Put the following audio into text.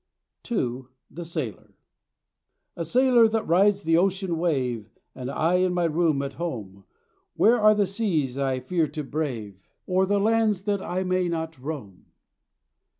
II. THE SAILOR A sailor that rides the ocean wave, And I in my room at home: Where are the seas I fear to brave, Or the lands I may not roam?